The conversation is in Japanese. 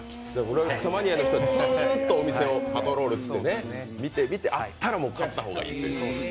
ロレックスマニアの人はずっとお店をパトロールしてあったら買った方がいいという。